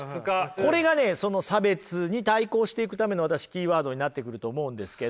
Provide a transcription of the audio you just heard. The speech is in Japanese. これがねその差別に対抗していくためのキーワードになってくると思うんですけど。